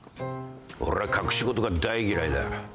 俺は隠し事が大嫌いだ。